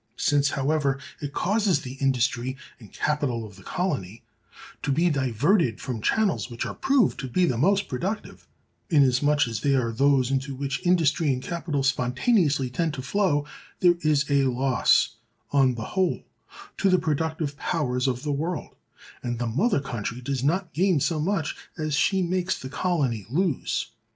Since, however, it causes the industry and capital of the colony to be diverted from channels which are proved to be the most productive, inasmuch as they are those into which industry and capital spontaneously tend to flow, there is a loss, on the whole, to the productive powers of the world, and the mother country does not gain so much as she makes the colony lose.